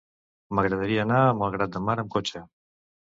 M'agradaria anar a Malgrat de Mar amb cotxe.